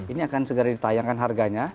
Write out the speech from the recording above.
ini akan segera ditayangkan harganya